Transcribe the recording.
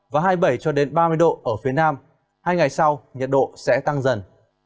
và hai mươi bảy cho đến ba mươi độ ở phía nam hai ngày sau nhiệt độ sẽ tăng dần